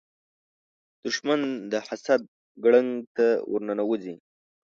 دښمن د حسد ګړنګ ته ورننوځي